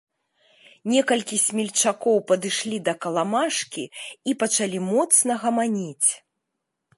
Некалькі смельчакоў падышлі да каламажкі і пачалі моцна гаманіць.